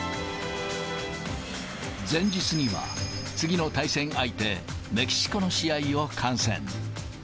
前日には、次の対戦相手、メキシコの試合を観戦。